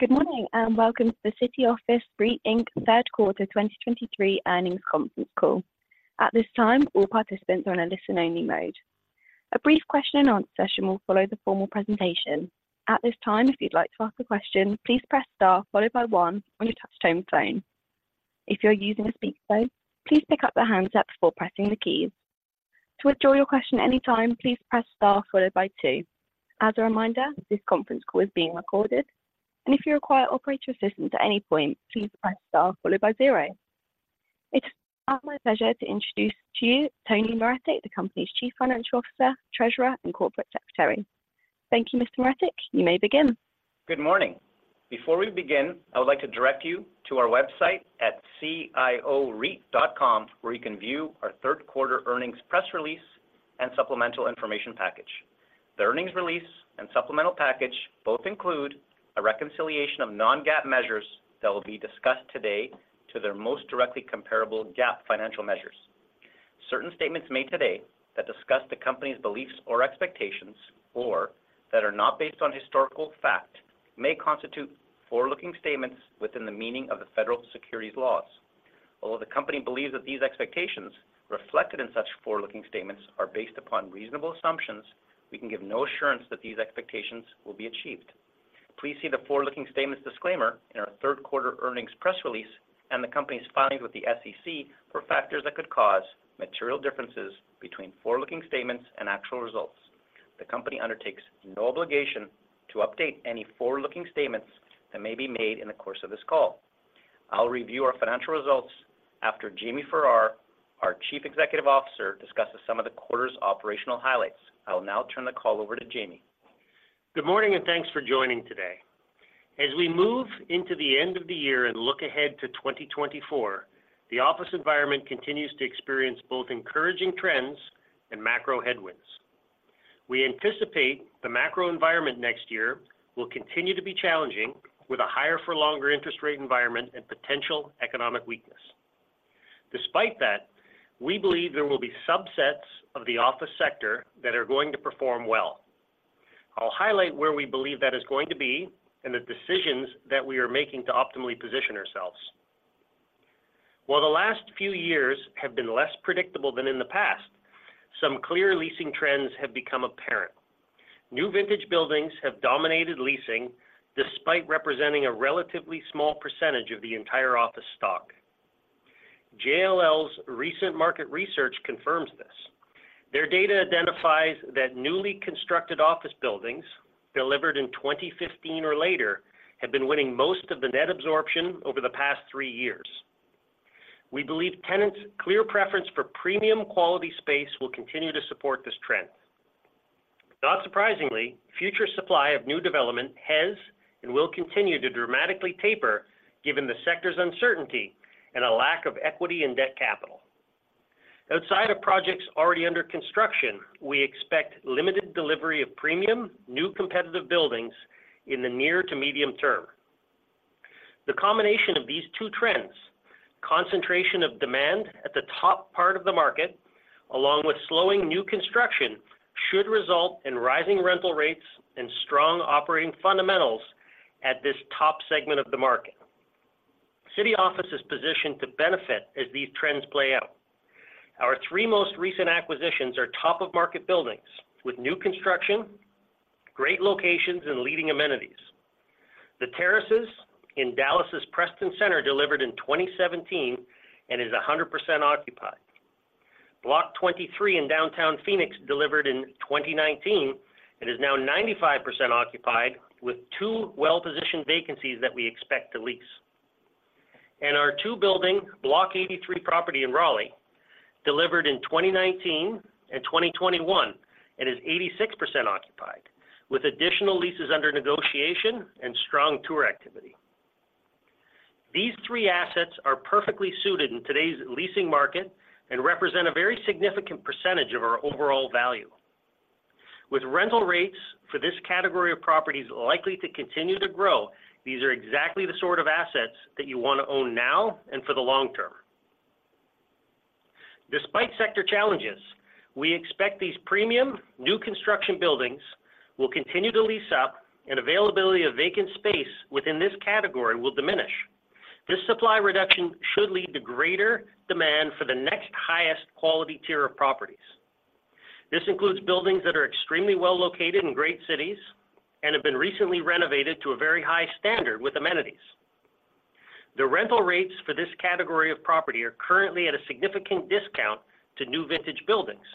Good morning, and welcome to the City Office REIT, Inc. Third Quarter 2023 Earnings Conference Call. At this time, all participants are in a listen-only mode. A brief question and answer session will follow the formal presentation. At this time, if you'd like to ask a question, please press star followed by one on your touchtone phone. If you're using a speakerphone, please pick up the handset before pressing the keys. To withdraw your question anytime, please press star followed by two. As a reminder, this conference call is being recorded, and if you require operator assistance at any point, please press star followed by zero. It's now my pleasure to introduce to you Tony Maretic, the company's Chief Financial Officer, Treasurer, and Corporate Secretary. Thank you, Mr. Maretic. You may begin. Good morning. Before we begin, I would like to direct you to our website at cioreit.com, where you can view our third quarter earnings press release and supplemental information package. The earnings release and supplemental package both include a reconciliation of non-GAAP measures that will be discussed today to their most directly comparable GAAP financial measures. Certain statements made today that discuss the company's beliefs or expectations, or that are not based on historical fact, may constitute forward-looking statements within the meaning of the federal securities laws. Although the company believes that these expectations reflected in such forward-looking statements are based upon reasonable assumptions, we can give no assurance that these expectations will be achieved. Please see the forward-looking statements disclaimer in our third quarter earnings press release and the company's filings with the SEC for factors that could cause material differences between forward-looking statements and actual results. The company undertakes no obligation to update any forward-looking statements that may be made in the course of this call. I'll review our financial results after Jamie Farrar, our Chief Executive Officer, discusses some of the quarter's operational highlights. I will now turn the call over to Jamie. Good morning, and thanks for joining today. As we move into the end of the year and look ahead to 2024, the office environment continues to experience both encouraging trends and macro headwinds. We anticipate the macro environment next year will continue to be challenging, with a higher for longer interest rate environment and potential economic weakness. Despite that, we believe there will be subsets of the office sector that are going to perform well. I'll highlight where we believe that is going to be and the decisions that we are making to optimally position ourselves. While the last few years have been less predictable than in the past, some clear leasing trends have become apparent. New vintage buildings have dominated leasing, despite representing a relatively small percentage of the entire office stock. JLL's recent market research confirms this. Their data identifies that newly constructed office buildings, delivered in 2015 or later, have been winning most of the net absorption over the past three years. We believe tenants' clear preference for premium quality space will continue to support this trend. Not surprisingly, future supply of new development has and will continue to dramatically taper, given the sector's uncertainty and a lack of equity and debt capital. Outside of projects already under construction, we expect limited delivery of premium, new competitive buildings in the near to medium term. The combination of these two trends, concentration of demand at the top part of the market, along with slowing new construction, should result in rising rental rates and strong operating fundamentals at this top segment of the market. City Office is positioned to benefit as these trends play out. Our three most recent acquisitions are top-of-market buildings with new construction, great locations, and leading amenities. The Terraces in Dallas' Preston Center, delivered in 2017 and is 100% occupied. Block 23 in downtown Phoenix, delivered in 2019 and is now 95% occupied, with two well-positioned vacancies that we expect to lease. And our two-building Block 83 property in Raleigh, delivered in 2019 and 2021 and is 86% occupied, with additional leases under negotiation and strong tour activity. These three assets are perfectly suited in today's leasing market and represent a very significant percentage of our overall value. With rental rates for this category of properties likely to continue to grow, these are exactly the sort of assets that you want to own now and for the long term. Despite sector challenges, we expect these premium, new construction buildings will continue to lease up and availability of vacant space within this category will diminish. This supply reduction should lead to greater demand for the next highest quality tier of properties. This includes buildings that are extremely well located in great cities and have been recently renovated to a very high standard with amenities. The rental rates for this category of property are currently at a significant discount to new vintage buildings.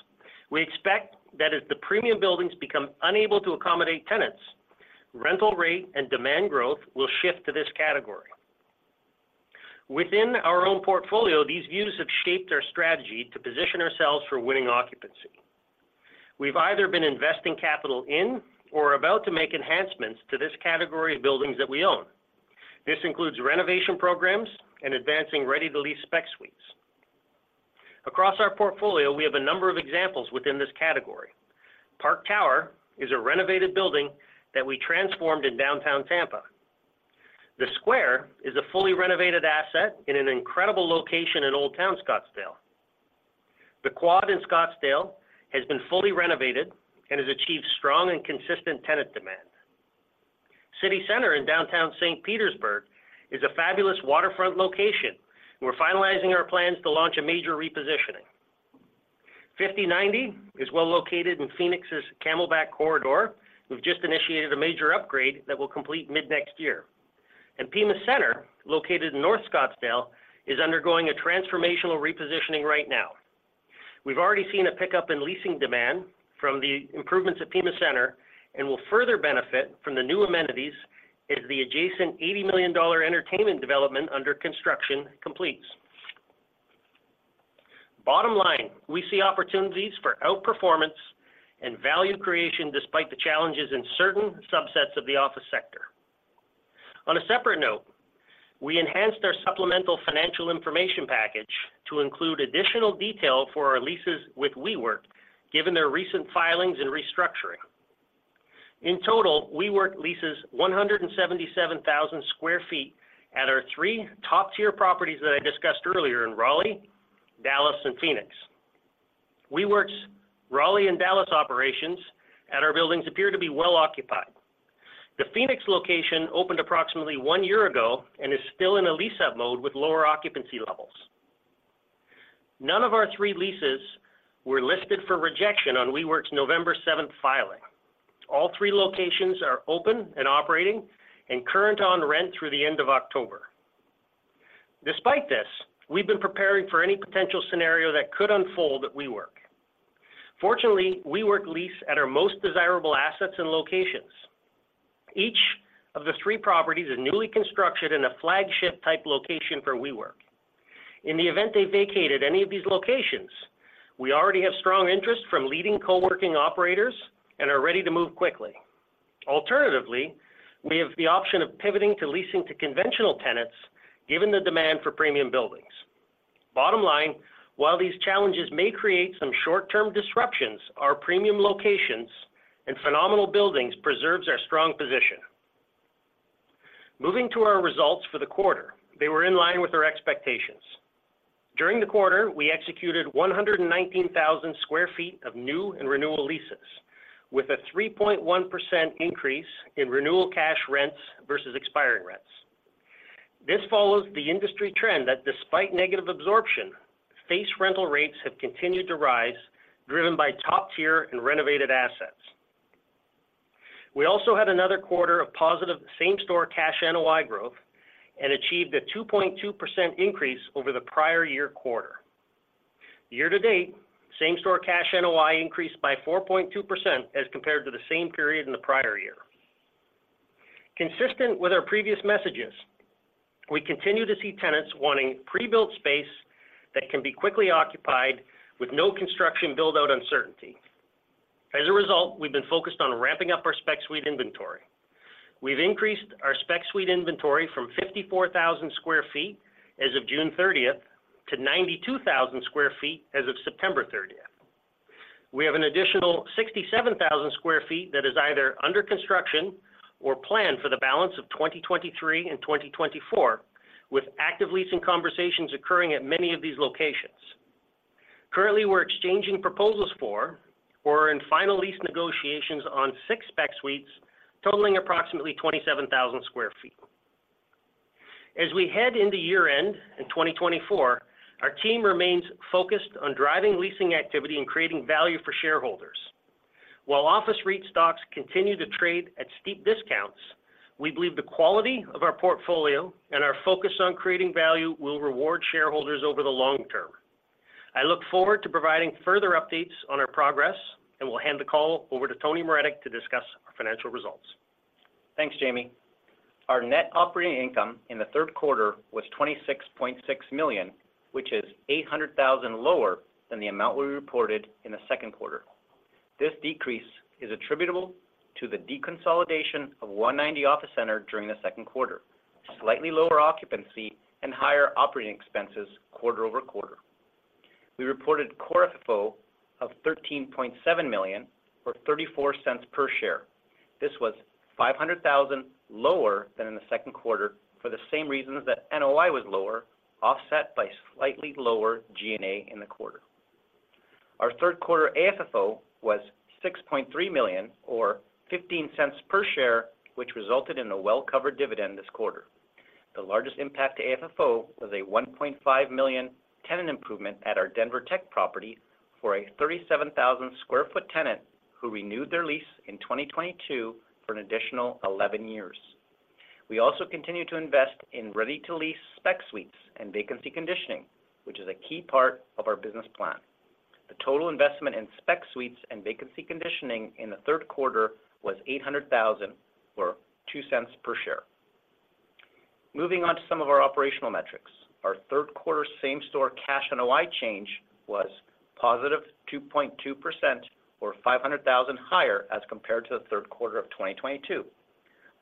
We expect that as the premium buildings become unable to accommodate tenants, rental rate and demand growth will shift to this category. Within our own portfolio, these views have shaped our strategy to position ourselves for winning occupancy. We've either been investing capital in or about to make enhancements to this category of buildings that we own. This includes renovation programs and advancing ready-to-lease spec suites. Across our portfolio, we have a number of examples within this category. Park Tower is a renovated building that we transformed in downtown Tampa. The Square is a fully renovated asset in an incredible location in Old Town, Scottsdale. The Quad in Scottsdale has been fully renovated and has achieved strong and consistent tenant demand. City Center in downtown St. Petersburg is a fabulous waterfront location. We're finalizing our plans to launch a major repositioning. 5090 is well located in Phoenix's Camelback Corridor. We've just initiated a major upgrade that will complete mid-next year. Pima Center, located in North Scottsdale, is undergoing a transformational repositioning right now. We've already seen a pickup in leasing demand from the improvements at Pima Center, and will further benefit from the new amenities as the adjacent $80 million entertainment development under construction completes. Bottom line, we see opportunities for outperformance and value creation despite the challenges in certain subsets of the office sector. On a separate note, we enhanced our supplemental financial information package to include additional detail for our leases with WeWork, given their recent filings and restructuring. In total, WeWork leases 177,000 sq ft at our three top-tier properties that I discussed earlier in Raleigh, Dallas, and Phoenix. WeWork's Raleigh and Dallas operations at our buildings appear to be well occupied. The Phoenix location opened approximately one year ago and is still in a lease-up mode with lower occupancy levels. None of our three leases were listed for rejection on WeWork's November 7th filing. All three locations are open and operating and current on rent through the end of October. Despite this, we've been preparing for any potential scenario that could unfold at WeWork. Fortunately, WeWork lease at our most desirable assets and locations. Each of the three properties is newly constructed in a flagship-type location for WeWork. In the event they vacated any of these locations, we already have strong interest from leading coworking operators and are ready to move quickly. Alternatively, we have the option of pivoting to leasing to conventional tenants, given the demand for premium buildings. Bottom line, while these challenges may create some short-term disruptions, our premium locations and phenomenal buildings preserves our strong position. Moving to our results for the quarter, they were in line with our expectations. During the quarter, we executed 119,000 sq ft of new and renewal leases, with a 3.1% increase in renewal cash rents versus expiring rents. This follows the industry trend that despite negative absorption, face rental rates have continued to rise, driven by top-tier and renovated assets. We also had another quarter of positive same-store cash NOI growth and achieved a 2.2% increase over the prior year quarter. Year to date, same-store cash NOI increased by 4.2% as compared to the same period in the prior year. Consistent with our previous messages, we continue to see tenants wanting pre-built space that can be quickly occupied with no construction build-out uncertainty. As a result, we've been focused on ramping up our spec suite inventory. We've increased our spec suite inventory from 54,000 sq ft as of June 30 to 92,000 sq ft as of September 30. We have an additional 67,000 sq ft that is either under construction or planned for the balance of 2023 and 2024, with active leasing conversations occurring at many of these locations. Currently, we're exchanging proposals for or in final lease negotiations on six spec suites, totaling approximately 27,000 sq ft. As we head into year-end in 2024, our team remains focused on driving leasing activity and creating value for shareholders. While office REIT stocks continue to trade at steep discounts, we believe the quality of our portfolio and our focus on creating value will reward shareholders over the long term. I look forward to providing further updates on our progress, and will hand the call over to Tony Maretic to discuss our financial results. Thanks, Jamie. Our net operating income in the third quarter was $26.6 million, which is $800,000 lower than the amount we reported in the second quarter. This decrease is attributable to the deconsolidation of 190 Office Center during the second quarter, slightly lower occupancy, and higher operating expenses quarter-over-quarter. We reported Core FFO of $13.7 million, or $0.34 per share. This was $500,000 lower than in the second quarter for the same reasons that NOI was lower, offset by slightly lower G&A in the quarter. Our third quarter AFFO was $6.3 million or $0.15 per share, which resulted in a well-covered dividend this quarter. The largest impact to AFFO was a $1.5 million tenant improvement at our Denver Tech property for a 37,000 sq ft tenant who renewed their lease in 2022 for an additional 11 years. We also continued to invest in ready-to-lease spec suites and vacancy conditioning, which is a key part of our business plan. The total investment in spec suites and vacancy conditioning in the third quarter was $800,000, or $0.02 per share. Moving on to some of our operational metrics. Our third quarter same-store cash NOI change was positive 2.2% or $500,000 higher as compared to the third quarter of 2022.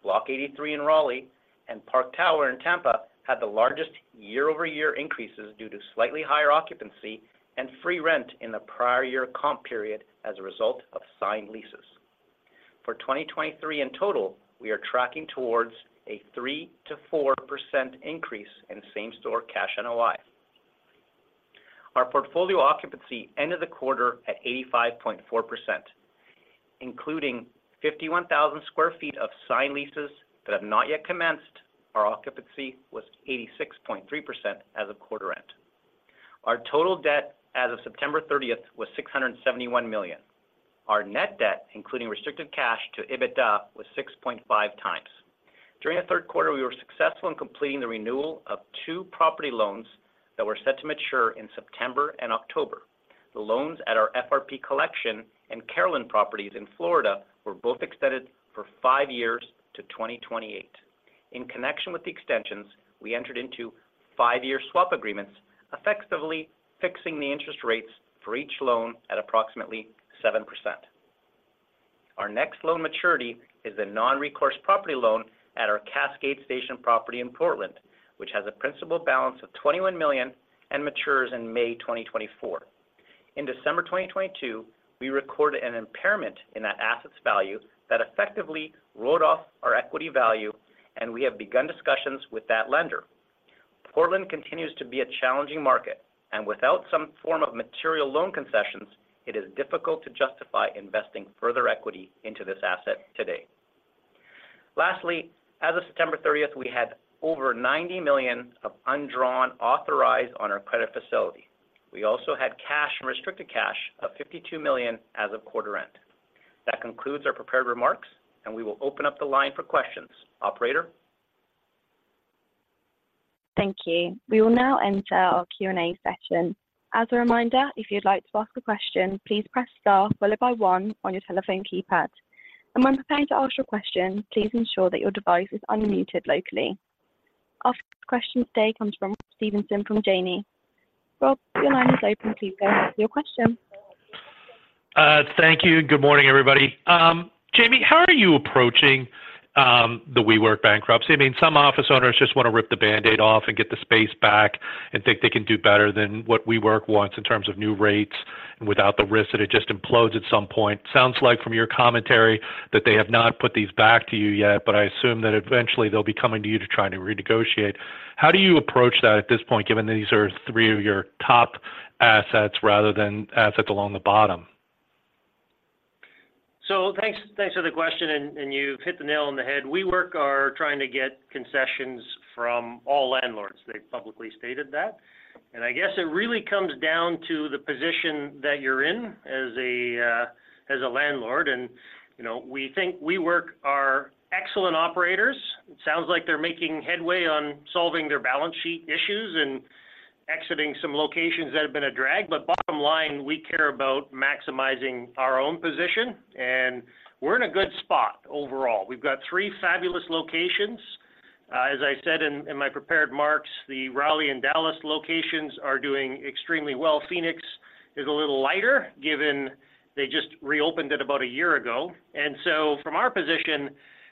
Block 83 in Raleigh and Park Tower in Tampa had the largest year-over-year increases due to slightly higher occupancy and free rent in the prior year comp period as a result of signed leases.... for 2023 in total, we are tracking towards a 3%-4% increase in same-store cash NOI. Our portfolio occupancy ended the quarter at 85.4%, including 51,000 sq ft of signed leases that have not yet commenced. Our occupancy was 86.3% as of quarter end. Our total debt as of September 30, was $671 million. Our net debt, including restricted cash to EBITDA, was 6.5x. During the third quarter, we were successful in completing the renewal of two property loans that were set to mature in September and October. The loans at our FRP Collection and Carillon properties in Florida were both extended for five years to 2028. In connection with the extensions, we entered into five-year swap agreements, effectively fixing the interest rates for each loan at approximately 7%. Our next loan maturity is the non-recourse property loan at our Cascade Station property in Portland, which has a principal balance of $21 million and matures in May 2024. In December 2022, we recorded an impairment in that asset's value that effectively wrote off our equity value, and we have begun discussions with that lender. Portland continues to be a challenging market, and without some form of material loan concessions, it is difficult to justify investing further equity into this asset today. Lastly, as of September 30, we had over $90 million of undrawn authorized on our credit facility. We also had cash and restricted cash of $52 million as of quarter end. That concludes our prepared remarks, and we will open up the line for questions. Operator? Thank you. We will now enter our Q&A session. As a reminder, if you'd like to ask a question, please press Star followed by one on your telephone keypad. When preparing to ask your question, please ensure that your device is unmuted locally. Our first question today comes from Rob Stevenson from Janney. Rob, your line is open. Please go ahead with your question. Thank you. Good morning, everybody. Jamie, how are you approaching the WeWork bankruptcy? I mean, some office owners just want to rip the Band-Aid off and get the space back, and think they can do better than what WeWork wants in terms of new rates and without the risk that it just implodes at some point. Sounds like from your commentary that they have not put these back to you yet, but I assume that eventually they'll be coming to you to try to renegotiate. How do you approach that at this point, given that these are three of your top assets rather than assets along the bottom? So thanks, thanks for the question, and, and you've hit the nail on the head. WeWork are trying to get concessions from all landlords. They've publicly stated that. And I guess it really comes down to the position that you're in as a, as a landlord, and, you know, we think WeWork are excellent operators. It sounds like they're making headway on solving their balance sheet issues and exiting some locations that have been a drag. But bottom line, we care about maximizing our own position, and we're in a good spot overall. We've got three fabulous locations. As I said in my prepared remarks, the Raleigh and Dallas locations are doing extremely well. Phoenix is a little lighter, given they just reopened it about a year ago. From our position,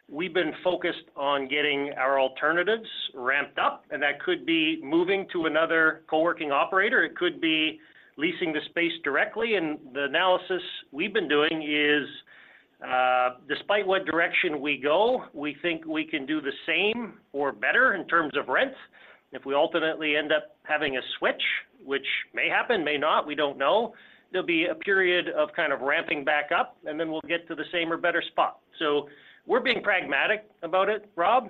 we've been focused on getting our alternatives ramped up, and that could be moving to another coworking operator. It could be leasing the space directly, and the analysis we've been doing is, despite what direction we go, we think we can do the same or better in terms of rents. If we ultimately end up having a switch, which may happen, may not, we don't know, there'll be a period of kind of ramping back up, and then we'll get to the same or better spot. We're being pragmatic about it, Rob.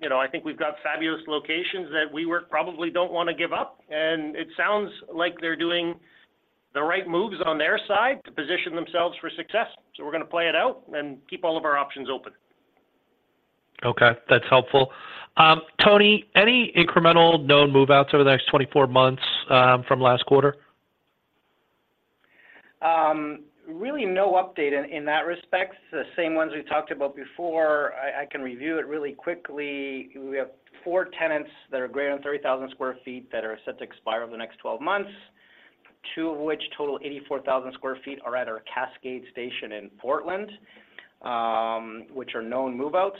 You know, I think we've got fabulous locations that WeWork probably don't want to give up, and it sounds like they're doing the right moves on their side to position themselves for success. We're going to play it out and keep all of our options open. Okay, that's helpful. Tony, any incremental known move-outs over the next 24 months, from last quarter? Really no update in that respect. The same ones we talked about before. I can review it really quickly. We have four tenants that are greater than 30,000 sq ft that are set to expire over the next 12 months, two of which total 84,000 sq ft are at our Cascade Station in Portland, which are known move-outs.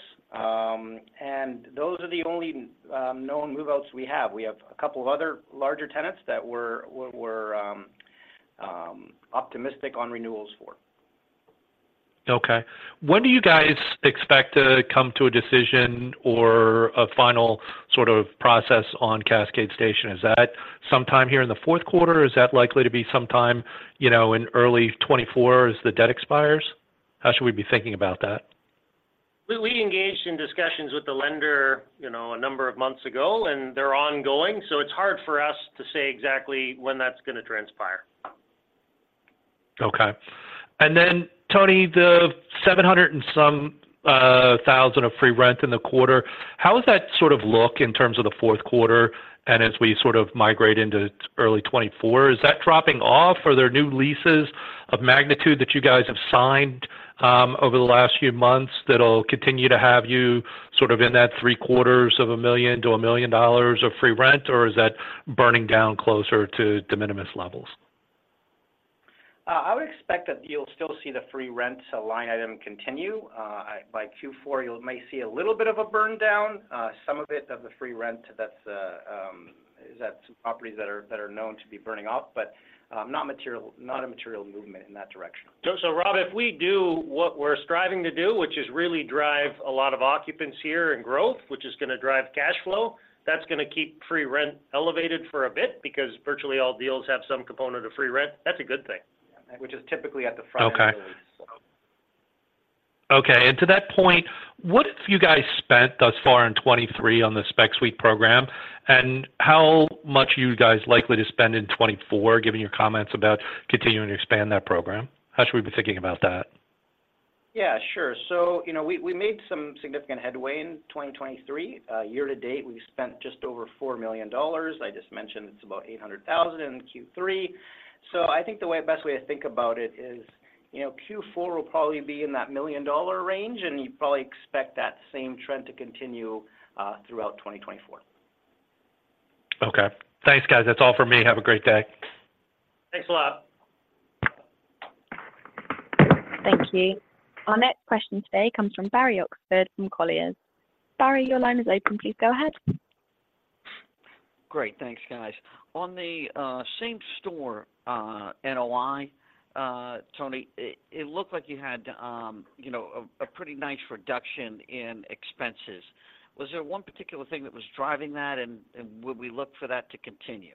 And those are the only known move-outs we have. We have a couple of other larger tenants that we're optimistic on renewals for. Okay. When do you guys expect to come to a decision or a final sort of process on Cascade Station? Is that sometime here in the fourth quarter, or is that likely to be sometime, you know, in early 2024 as the debt expires? How should we be thinking about that? We engaged in discussions with the lender, you know, a number of months ago, and they're ongoing, so it's hard for us to say exactly when that's going to transpire. Okay. And then, Tony, the 700 and some thousand of free rent in the quarter, how does that sort of look in terms of the fourth quarter and as we sort of migrate into early 2024? Is that dropping off, or are there new leases of magnitude that you guys have signed over the last few months that'll continue to have you sort of in that $750,000-$1 million of free rent, or is that burning down closer to de minimis levels? I would expect that you'll still see the free rents line item continue. By Q4, you may see a little bit of a burn down. Some of it of the free rent that's,... is that some properties that are, that are known to be burning up, but, not material, not a material movement in that direction. So, Rob, if we do what we're striving to do, which is really drive a lot of occupants here and growth, which is going to drive cash flow, that's going to keep free rent elevated for a bit because virtually all deals have some component of free rent. That's a good thing. Which is typically at the front end. Okay. Okay, and to that point, what have you guys spent thus far in 2023 on the Spec Suite program? And how much are you guys likely to spend in 2024, given your comments about continuing to expand that program? How should we be thinking about that? Yeah, sure. So, you know, we made some significant headway in 2023. Year to date, we've spent just over $4 million. I just mentioned it's about $800,000 in Q3. So I think the way, best way to think about it is, you know, Q4 will probably be in that $1 million range, and you probably expect that same trend to continue throughout 2024. Okay. Thanks, guys. That's all for me. Have a great day. Thanks a lot. Thank you. Our next question today comes from Barry Oxford from Colliers. Barry, your line is open. Please go ahead. Great. Thanks, guys. On the same store NOI, Tony, it looked like you had, you know, a pretty nice reduction in expenses. Was there one particular thing that was driving that, and would we look for that to continue?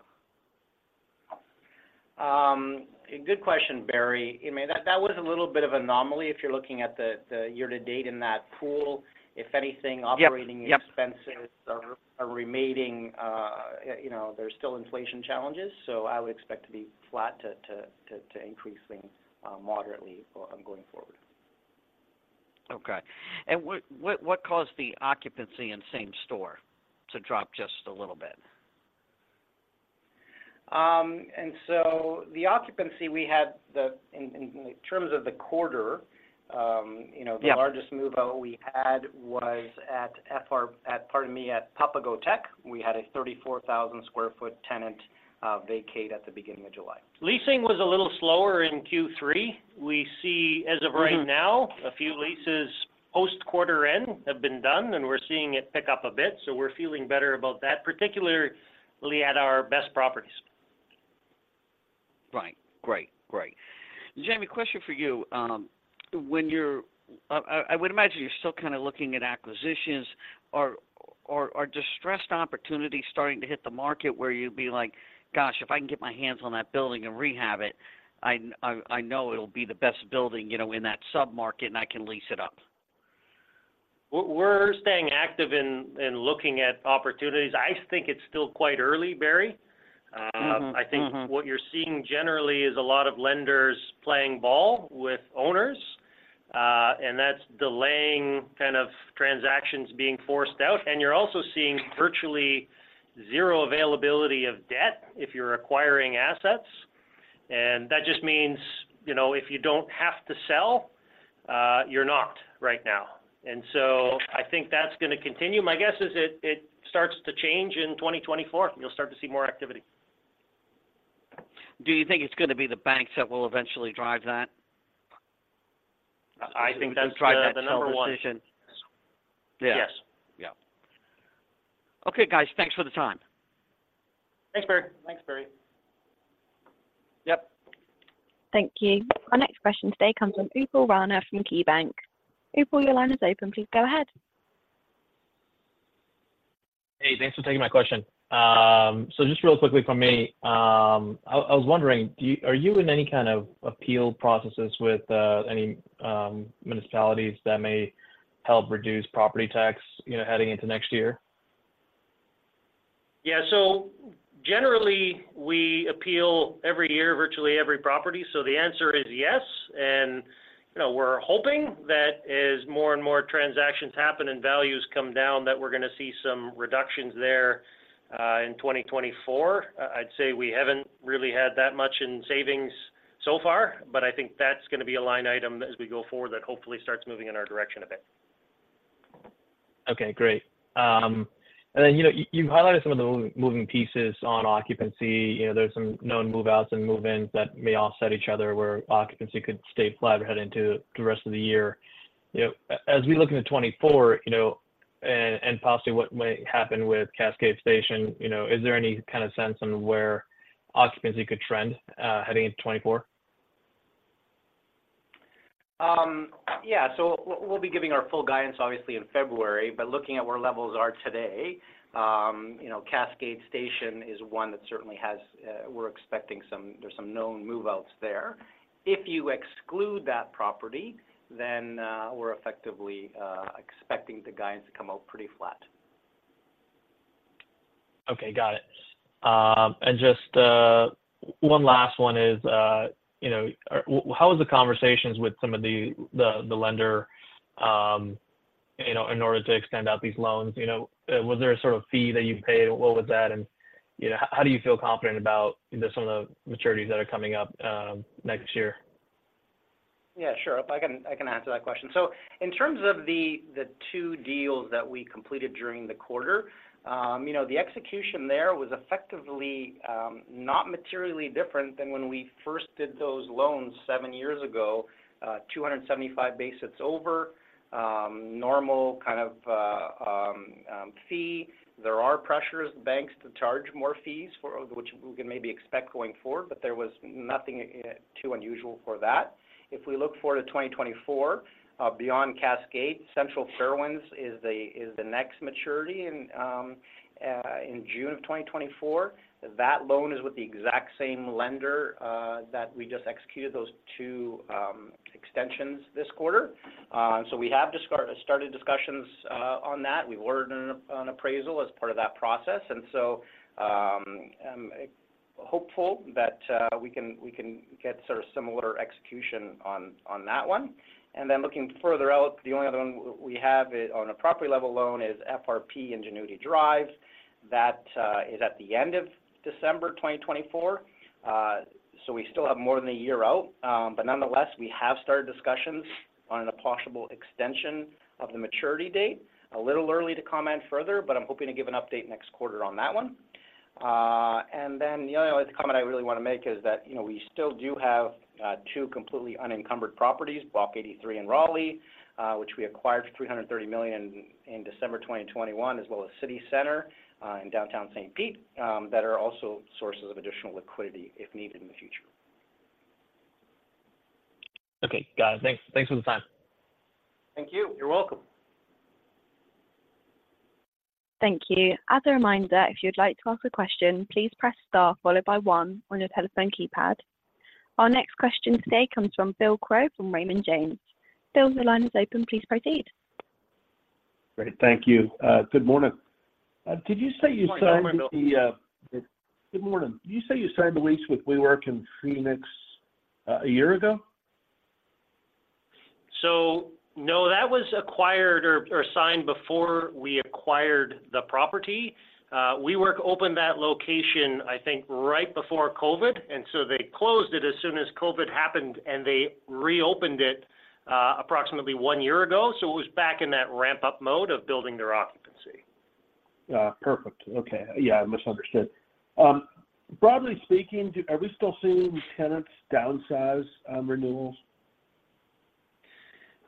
Good question, Barry. I mean, that was a little bit of an anomaly if you're looking at the year to date in that pool. If anything- Yep, yep... operating expenses are remaining, you know, there's still inflation challenges, so I would expect to be flat to increasing moderately going forward. Okay. What caused the occupancy in same store to drop just a little bit? and so the occupancy we had, in terms of the quarter, you know- Yeah... the largest move-out we had was at, pardon me, at Papago Tech. We had a 34,000 sq ft tenant vacate at the beginning of July. Leasing was a little slower in Q3. We see as of right now- Mm-hmm... a few leases post quarter end have been done, and we're seeing it pick up a bit, so we're feeling better about that, particularly at our best properties. Right. Great. Great. Jamie, question for you. When you're... I would imagine you're still kind of looking at acquisitions. Are distressed opportunities starting to hit the market where you'd be like, "Gosh, if I can get my hands on that building and rehab it, I know it'll be the best building, you know, in that submarket, and I can lease it up? We're staying active in looking at opportunities. I think it's still quite early, Barry. Mm-hmm. Mm-hmm. I think what you're seeing generally is a lot of lenders playing ball with owners, and that's delaying kind of transactions being forced out. You're also seeing virtually zero availability of debt if you're acquiring assets. That just means, you know, if you don't have to sell, you're not right now. So I think that's going to continue. My guess is it starts to change in 2024. You'll start to see more activity. Do you think it's going to be the banks that will eventually drive that? I think that's the number one. Decision. Yes. Yeah. Yeah. Okay, guys. Thanks for the time. Thanks, Barry. Thanks, Barry. Yep. Thank you. Our next question today comes from Upal Rana from KeyBanc. Upal, your line is open. Please go ahead. Hey, thanks for taking my question. So just real quickly from me, I was wondering, are you in any kind of appeal processes with any municipalities that may help reduce property tax, you know, heading into next year? Yeah, so generally, we appeal every year, virtually every property. So the answer is yes. And, you know, we're hoping that as more and more transactions happen and values come down, that we're going to see some reductions there in 2024. I'd say we haven't really had that much in savings so far, but I think that's going to be a line item as we go forward that hopefully starts moving in our direction a bit. Okay, great. And then, you know, you, you've highlighted some of the moving, moving pieces on occupancy. You know, there's some known move-outs and move-ins that may offset each other, where occupancy could stay flat heading into the rest of the year. You know, as we look into 2024, you know, and, and possibly what might happen with Cascade Station, you know, is there any kind of sense on where occupancy could trend, heading into 2024? Yeah. So we'll be giving our full guidance, obviously, in February, but looking at where levels are today, you know, Cascade Station is one that certainly has, we're expecting some—there's some known move-outs there. If you exclude that property, then, we're effectively expecting the guidance to come out pretty flat. Okay, got it. And just one last one is, you know, how is the conversations with some of the lender, you know, in order to extend out these loans? You know, was there a sort of fee that you paid, and what was that? And, you know, how do you feel confident about, you know, some of the maturities that are coming up next year? Yeah, sure. I can, I can answer that question. So in terms of the, the two deals that we completed during the quarter, you know, the execution there was effectively, not materially different than when we first did those loans seven years ago, 275 basis over, normal kind of fee. There are pressures, banks to charge more fees for, which we can maybe expect going forward, but there was nothing too unusual for that. If we look forward to 2024, beyond Cascade, Central Fairwinds is the next maturity in June 2024. That loan is with the exact same lender that we just executed those two extensions this quarter. So we have started discussions on that. We ordered an appraisal as part of that process, and so hopeful that we can get sort of similar execution on that one. And then looking further out, the only other one we have it on a property level loan is FRP Ingenuity Drive. That is at the end of December 2024. So we still have more than a year out, but nonetheless, we have started discussions on a possible extension of the maturity date. A little early to comment further, but I'm hoping to give an update next quarter on that one. And then the only other comment I really want to make is that, you know, we still do have, two completely unencumbered properties, Block 83 in Raleigh, which we acquired for $330 million in December 2021, as well as City Center, in downtown St. Pete, that are also sources of additional liquidity if needed in the future. Okay, got it. Thanks. Thanks for the time. Thank you. You're welcome. Thank you. As a reminder, if you'd like to ask a question, please press star followed by one on your telephone keypad. Our next question today comes from Bill Crow from Raymond James. Bill, your line is open. Please proceed. Great. Thank you. Good morning. Did you say you signed- Good morning, Bill. Good morning. Did you say you signed the lease with WeWork in Phoenix, a year ago? So, no, that was acquired or signed before we acquired the property. WeWork opened that location, I think, right before COVID, and so they closed it as soon as COVID happened, and they reopened it, approximately one year ago. So it was back in that ramp-up mode of building their occupancy. Perfect. Okay. Yeah, I misunderstood. Broadly speaking, are we still seeing tenants downsize on renewals?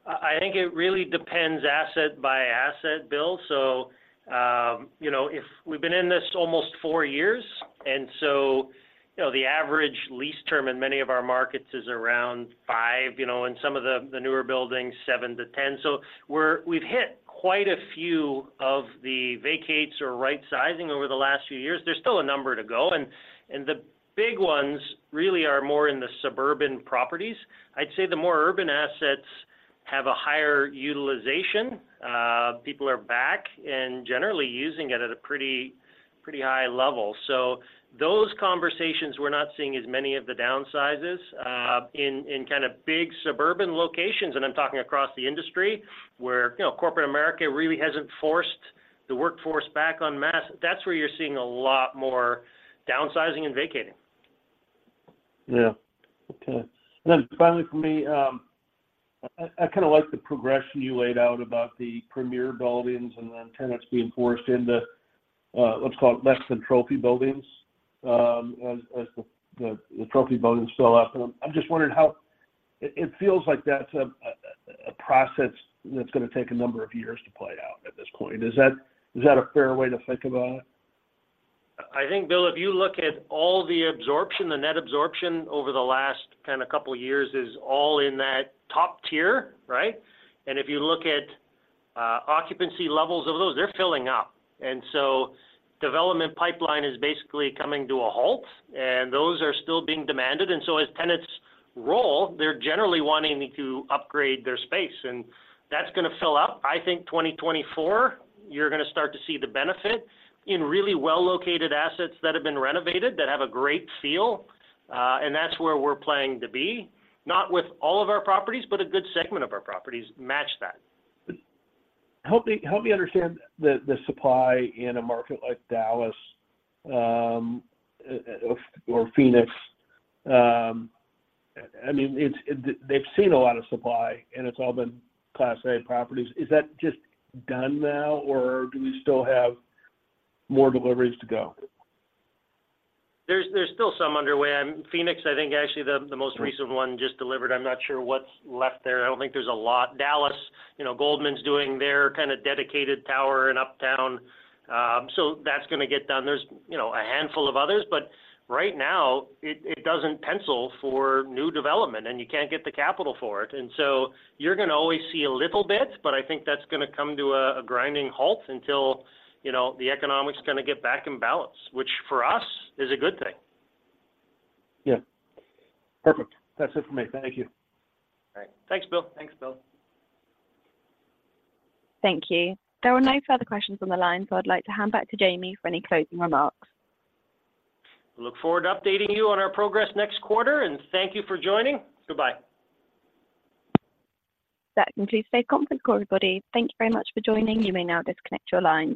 I think it really depends asset by asset, Bill. So, you know, if we've been in this almost four years, and so, you know, the average lease term in many of our markets is around five, you know, and some of the newer buildings, seven to 10. So we've hit quite a few of the vacates or rightsizing over the last few years. There's still a number to go, and the big ones really are more in the suburban properties. I'd say the more urban assets have a higher utilization. People are back and generally using it at a pretty, pretty high level. So those conversations, we're not seeing as many of the downsizes. In kind of big suburban locations, and I'm talking across the industry, where, you know, corporate America really hasn't forced the workforce back en masse, that's where you're seeing a lot more downsizing and vacating. Yeah. Okay. And then finally, for me, I kind of like the progression you laid out about the premier buildings and then tenants being forced into, let's call it less than trophy buildings, as the trophy buildings fill up. And I'm just wondering how... It feels like that's a process that's going to take a number of years to play out at this point. Is that a fair way to think about it? I think, Bill, if you look at all the absorption, the net absorption over the last kind of couple of years is all in that top tier, right? And if you look at occupancy levels of those, they're filling up. And so development pipeline is basically coming to a halt, and those are still being demanded. And so as tenants roll, they're generally wanting to upgrade their space, and that's going to fill up. I think 2024, you're going to start to see the benefit in really well-located assets that have been renovated, that have a great feel, and that's where we're planning to be. Not with all of our properties, but a good segment of our properties match that. Help me understand the supply in a market like Dallas or Phoenix. I mean, they've seen a lot of supply, and it's all been Class A properties. Is that just done now, or do we still have more deliveries to go? There's still some underway. Phoenix, I think actually the most recent one just delivered. I'm not sure what's left there. I don't think there's a lot. Dallas, you know, Goldman's doing their kind of dedicated tower in Uptown, so that's going to get done. There's, you know, a handful of others, but right now, it doesn't pencil for new development, and you can't get the capital for it. And so you're going to always see a little bit, but I think that's going to come to a grinding halt until, you know, the economics kind of get back in balance, which for us is a good thing. Yeah. Perfect. That's it for me. Thank you. All right. Thanks, Bill. Thank you. There were no further questions on the line, so I'd like to hand back to Jamie for any closing remarks. Look forward to updating you on our progress next quarter, and thank you for joining. Goodbye. That concludes today's conference call, everybody. Thank you very much for joining. You may now disconnect your lines.